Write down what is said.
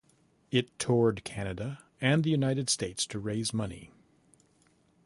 It toured Canada and the United States to raise money.